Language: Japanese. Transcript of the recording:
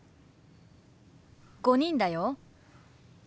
５人だよ。